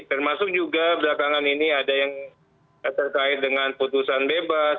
termasuk juga belakangan ini ada yang terkait dengan putusan bebas